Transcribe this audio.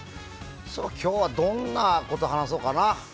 さあ、今日はどんなこと話そうかな。